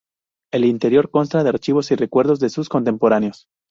El interior consta de archivos y recuerdos de sus contemporáneos.